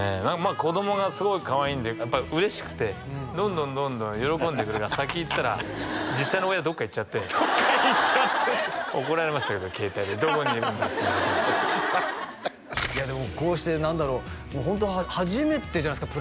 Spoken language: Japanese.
子供がすごいかわいいんでやっぱり嬉しくてどんどんどんどん喜んでくれるから先行ったら実際の親どっか行っちゃってどっか行っちゃってって怒られましたけど携帯でどこにいるんだっていうのでいやでもこうして何だろうホント初めてじゃないですか